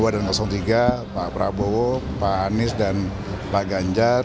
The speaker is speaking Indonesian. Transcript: dua dan tiga pak prabowo pak anies dan pak ganjar